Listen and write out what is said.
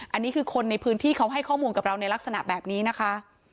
อันนี้คือคนในพื้นที่เขาให้ข้อมูลกับเราในลักษณะแบบนี้นะคะ